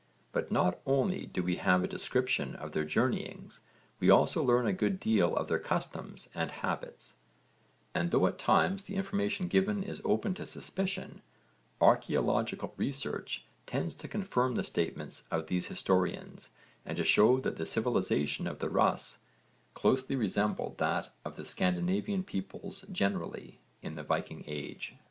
But not only do we have a description of their journeyings we also learn a good deal of their customs and habits, and, though at times the information given is open to suspicion, archaeological research tends to confirm the statements of these historians and to show that the civilisation of the 'Rûs' closely resembled that of the Scandinavian peoples generally in the Viking age.